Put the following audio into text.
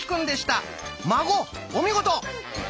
孫お見事！